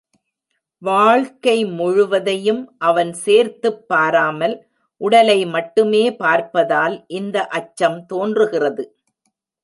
வாழ்க்கை முழுவதையும் அவன் சேர்த்துப் பாராமல், உடலை மட்டுமே பார்ப்பதால், இந்த அச்சம் தோன்றுகிறது.